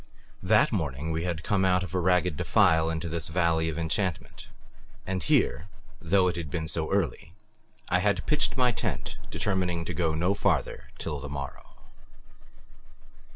That morning we had come out of a ragged defile into this valley of enchantment, and here, though it had been so early, I had pitched my tent, determining to go no farther till the morrow.